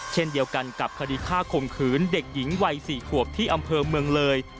เช่นเดียวกันกับคดีฆ่าข่มขืนเด็กหญิงวัย๔ขวบที่อำเภอเมืองเลย